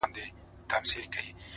دې لېوني ماحول کي ووايه؛ پر چا مئين يم؛